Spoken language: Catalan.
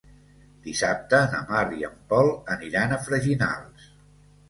Dissabte na Mar i en Pol aniran a Freginals.